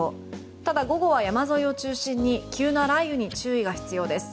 ただ、午後は山沿いを中心に急な雷雨に注意が必要です。